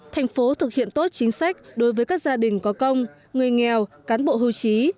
thành phố thực hiện tốt chính sách đối với các gia đình có công người nghèo cán bộ hưu trí